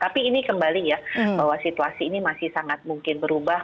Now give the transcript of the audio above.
tapi ini kembali ya bahwa situasi ini masih sangat mungkin berubah